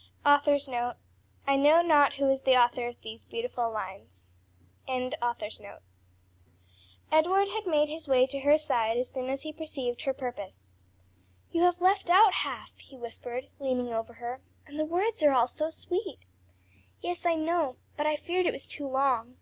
'"I know not who is the author of these beautiful lines. Edward had made his way to her side as soon as he perceived her purpose. "You have left out half," he whispered, leaning over her, "and the words are all so sweet." "Yes, I know, but I feared it was too long."